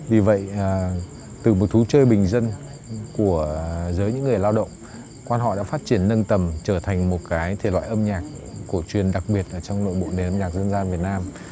vì vậy từ một thú chơi bình dân của giới những người lao động quan họ đã phát triển nâng tầm trở thành một cái thể loại âm nhạc cổ truyền đặc biệt trong nội bộ nền âm nhạc dân gian việt nam